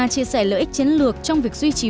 chia sẻ lợi ích chiến lược trong việc duy trì